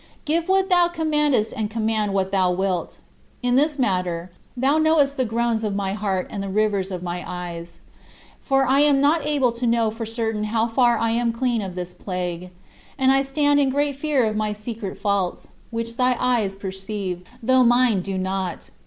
Give what thou commandest and command what thou wilt. In this matter, thou knowest the groans of my heart and the rivers of my eyes, for I am not able to know for certain how far I am clean of this plague; and I stand in great fear of my "secret faults," which thy eyes perceive, though mine do not.